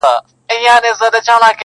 • نیمه پېړۍ و جنکيدلم پاچا..